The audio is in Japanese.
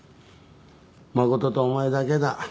真琴とお前だけだ。